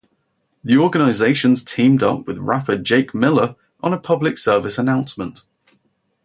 The organizations teamed up with rapper Jake Miller on a public service announcement.